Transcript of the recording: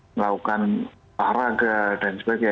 melakukan paraga dan sebagainya